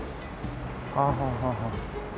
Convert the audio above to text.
はあはあはあはあ。